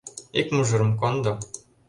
Ик мужырым кондо!..